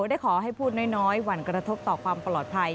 ได้ขอให้พูดน้อยหวั่นกระทบต่อความปลอดภัย